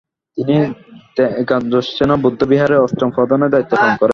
তিনি র্দ্জোগ্স-ছেন বৌদ্ধবিহারের অষ্টম প্রধানের দায়িত্ব পালন করেন।